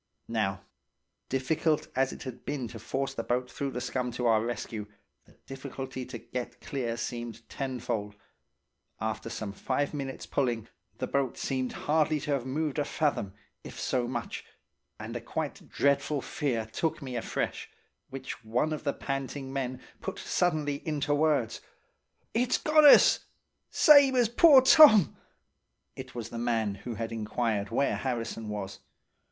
"Now, difficult as it had been to force the boat through the scum to our rescue, the difficulty to get clear seemed tenfold. After some five minutes pulling, the boat seemed hardly to have moved a fathom, if so much, and a quite dreadful fear took me afresh, which one of the panting men put suddenly into words, 'It's got us!' he gasped out. 'Same as poor Tom!' It was the man who had inquired where Harrison was.